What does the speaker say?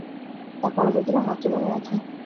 তার পরে বুঝিলাম, মাতৃভূমি আছে।